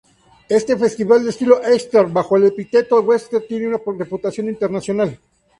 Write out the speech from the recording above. Este festival de estilo Eastern, bajo el epíteto Western, tiene una reputación internacional.